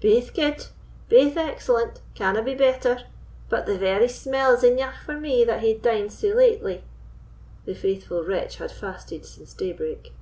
"Baith gude—baith excellent—canna be better; but the very smell is eneugh for me that hae dined sae lately (the faithful wretch had fasted since daybreak).